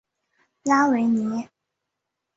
拉维尼。